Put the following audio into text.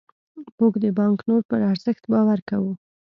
موږ د بانکنوټ پر ارزښت باور کوو.